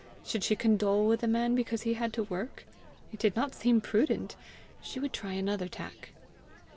Should she condole with the man because he had to work? It did not seem prudent! She would try another tack!